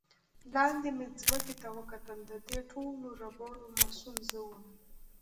لاندې مې ځمکې ته وکتل، د دې ټولو ربړو مسؤل زه ووم.